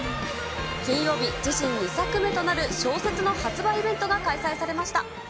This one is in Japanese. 金曜日、自身２作目となる小説の発売イベントが開催されました。